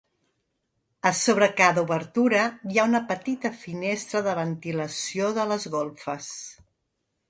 A sobre cada obertura hi ha una petita finestra de ventilació de les golfes.